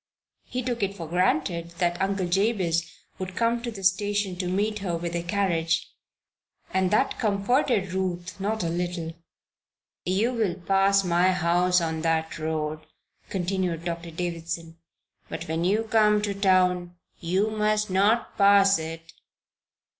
He took it for granted that Uncle Jabez would come to the station to meet her with a carriage, and that comforted Ruth not a little. "You will pass my house on that road," continued Doctor Davison. "But when you come to town you must not pass it."